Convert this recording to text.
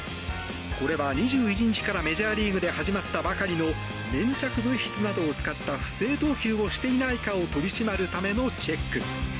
これは２１日からメジャーリーグで始まったばかりの粘着物質などを使った不正投球をしていないかを取り締まるためのチェック。